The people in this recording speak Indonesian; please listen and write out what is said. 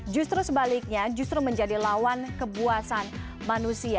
justru sebaliknya justru menjadi lawan kepuasan manusia